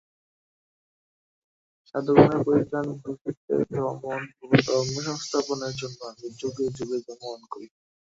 সাধুগণের পরিত্রাণ, দুষ্টের দমন ও ধর্মসংস্থাপনের জন্য আমি যুগে যুগে জন্মগ্রহণ করি।